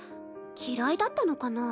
嫌いだったのかな？